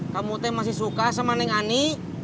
kamu teh masih suka sama neng ani